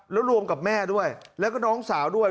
แล้วรวมกับแม่ด้วยแล้วก็น้องสาวด้วย